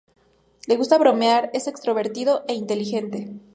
Le gusta bromear, es extrovertido e inteligente.